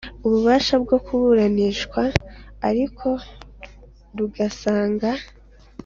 Ububasha bwo kuburanisha ariko rugasanga